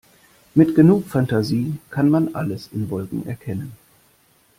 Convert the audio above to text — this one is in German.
Mit genug Fantasie kann man alles in Wolken erkennen.